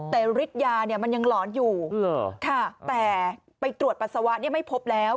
แต่ฤทธิ์ยาเนี่ยมันยังหลอนอยู่แต่ไปตรวจปัสสาวะเนี่ยไม่พบแล้ว